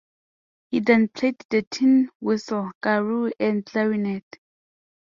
He then played the tin whistle, kazoo, and clarinet.